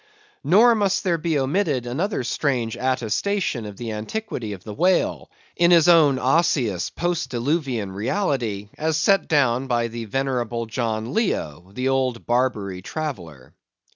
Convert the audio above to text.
Nor must there be omitted another strange attestation of the antiquity of the whale, in his own osseous post diluvian reality, as set down by the venerable John Leo, the old Barbary traveller.